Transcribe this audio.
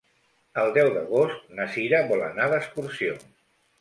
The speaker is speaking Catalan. El deu d'agost na Cira vol anar d'excursió.